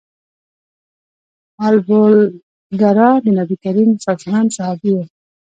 ابوالدرداء د نبي کریم ص صحابي و.